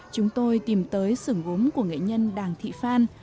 chúng tôi tìm tới sưởng gốm của nghệ nhân đàng thị phan